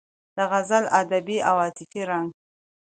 د غزل ادبي او عاطفي رنګ